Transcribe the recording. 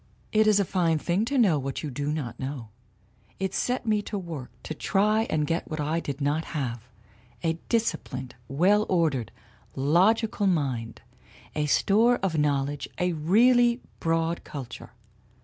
"It is a fine thing to know what you do not know. It set me to work to try to get what I did not have a disciplined, well ordered, logical mind, a store of knowledge, a really broad culture.